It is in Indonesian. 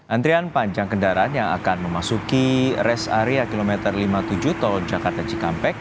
antrian panjang kendaraan yang akan memasuki rest area kilometer lima puluh tujuh tol jakarta cikampek